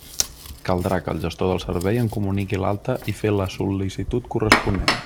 Caldrà que el gestor del servei en comuniqui l'alta i fer la sol·licitud corresponent.